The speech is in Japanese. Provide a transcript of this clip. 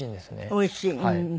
おいしい。